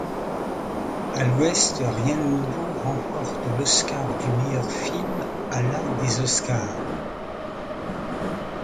À l'Ouest, rien de nouveau remporte l'Oscar du meilleur film à la des Oscars.